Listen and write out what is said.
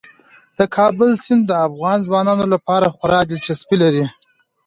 د کابل سیند د افغان ځوانانو لپاره خورا دلچسپي لري.